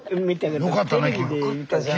よかったね君。